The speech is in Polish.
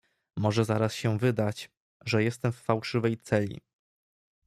"Może zaraz się wydać, że jestem w fałszywej celi."